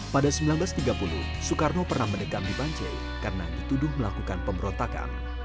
pada seribu sembilan ratus tiga puluh soekarno pernah mendekam di bancai karena dituduh melakukan pemberontakan